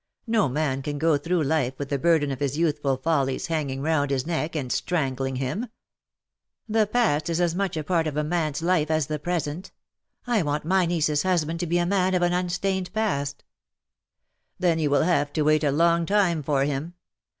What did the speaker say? No man can go through life with the burden of his youthful follies hanging round his neck, and strangling him.^^ " The past is as much a part of a man^s life as 248 LE SECRET DE POLICHINELLE. the present. I want my niece's husband to be a man of an unstained past/^ "Then you will have to wait a long time for him.